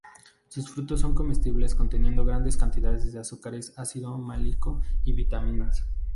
Sus frutos son comestibles conteniendo grandes cantidades de azúcares, ácido málico, y vitaminas.